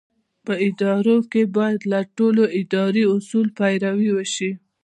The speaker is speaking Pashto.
په ادارو کې باید له ټولو اداري اصولو پیروي وشي.